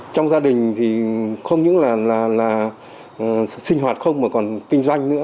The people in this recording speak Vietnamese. trong gia đình thì không những là sinh hoạt không mà còn kinh doanh nữa